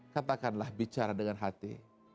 katakanlah bicara dengan hati